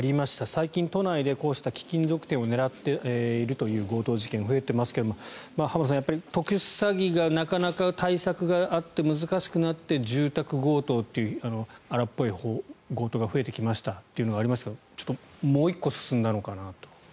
最近、都内でこうした貴金属店を狙っているという強盗事件増えていますが浜田さん、特殊詐欺がなかなか対策があって難しくなって、住宅強盗という荒っぽい強盗が増えてきましたというのがありますがちょっともう１個進んだのかなと。